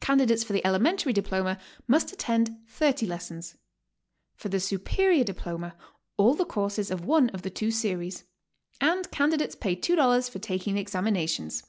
Candidates for the elementary diploma must attend 30 lessons; for the superior diploma, all the courses of one of the two series; and candidates pay $2 for taking the examinations.